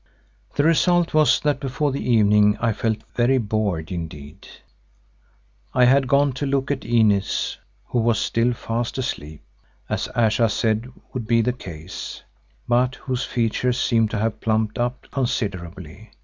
The result was that before the evening I felt very bored indeed. I had gone to look at Inez, who was still fast asleep, as Ayesha said would be the case, but whose features seemed to have plumped up considerably.